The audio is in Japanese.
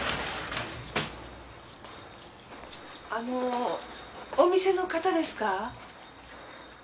あのお店の方ですか？